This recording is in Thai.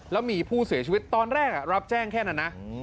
แล้วมีผู้เสียชีวิตตอนแรกรับแจ้งแค่นั้นนะ